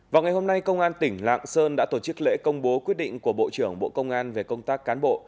vào ngày hôm nay công an tỉnh lạng sơn đã tổ chức lễ công bố quyết định của bộ trưởng bộ công an về công tác cán bộ